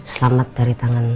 selamat dari tangan